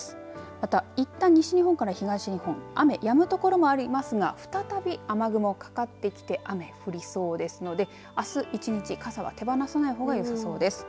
また、いったん西日本から東日本雨やむ所もありますが再び雨雲かかってきて雨、降りそうですのであす１日、傘は手放さないほうがよさそうです。